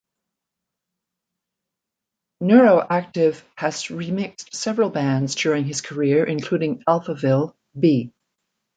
Neuroactive has remixed several bands during his career including: Alphaville, B!